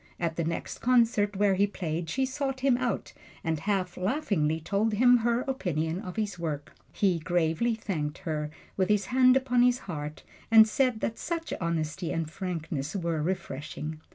At the next concert where he played she sought him out and half laughingly told him her opinion of his work. He gravely thanked her, with his hand upon his heart, and said that such honesty and frankness were refreshing.